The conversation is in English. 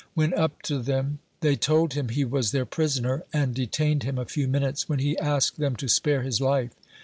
When up to them, they told him he was their prisoner, and detained him a few minutes, when he asked them to spare his life.